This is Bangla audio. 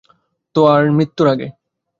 তার মৃত্যুর আগে।